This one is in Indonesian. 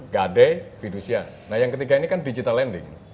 gade fidusia nah yang ketiga ini kan digital lending